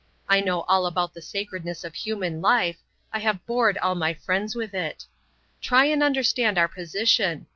I know all about the sacredness of human life; I have bored all my friends with it. Try and understand our position.